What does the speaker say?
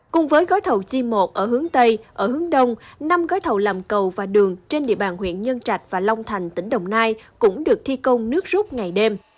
cùng với gói thầu g một ở hướng tây ở hướng đông năm gói thầu làm cầu và đường trên địa bàn huyện nhân trạch và long thành tỉnh đồng nai cũng được thi công nước rút ngày đêm